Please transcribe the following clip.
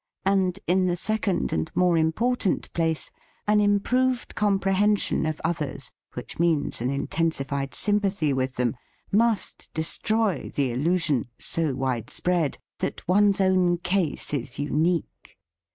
And, in the second and more important place, an improved comprehension of others (which means an intensified sympathy with them) must destroy the illusion, so wide spread, that one's own case is unique.